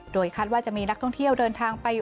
โดยคาดว่าจะมีนักท่องเที่ยวเดินทางไป